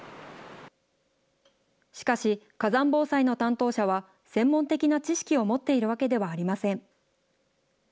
しかし、火山防災の担当者は、専門的な知識を持っているわけではありません。